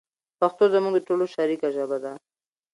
پښتو زموږ د ټولو شریکه ژبه ده.